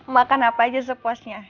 makan apa aja sepuasnya